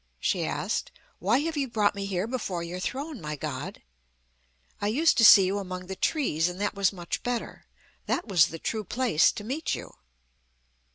she asked. "Why have you brought me here before your throne, my God? I used to see you among the trees; and that was much better. That was the true place to meet you."